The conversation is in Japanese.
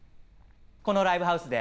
このライブハウスで。